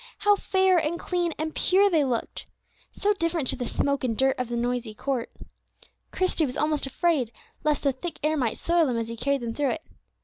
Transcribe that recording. How fair, and clean, and pure they looked! So different to the smoke and dirt of the noisy court. Christie was almost afraid lest the thick air might soil them as he carried them through it.